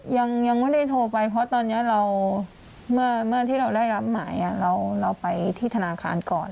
ยังไม่ได้โทรไปเพราะตอนนี้เราเมื่อที่เราได้รับหมายเราไปที่ธนาคารก่อน